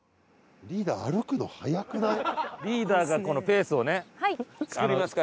リーダーがこのペースをね作りますから。